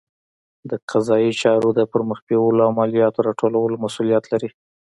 د قضایي چارو د پرمخ بیولو او مالیاتو راټولولو مسوولیت لري.